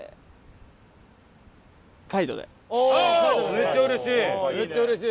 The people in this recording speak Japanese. めっちゃうれしい！